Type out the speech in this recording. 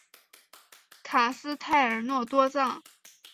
卡斯泰尔诺多藏。